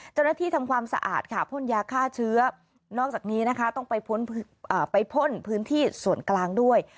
ทำความสะอาดค่ะพ่นยาฆ่าเชื้อนอกจากนี้นะคะต้องไปพ่นพื้นที่ส่วนกลางด้วย